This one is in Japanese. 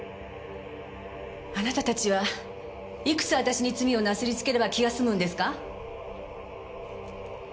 あなたたちはいくつ私に罪をなすりつければ気が済むんですか！？